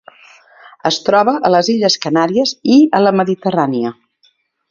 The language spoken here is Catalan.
Es troba a les Illes Canàries i a la Mediterrània.